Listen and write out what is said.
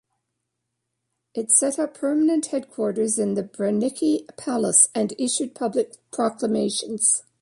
It set up permanent headquarters in the Branicki Palace and issued public proclamations.